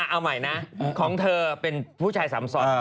เอาใหม่นะของเธอเป็นผู้ชายสามสด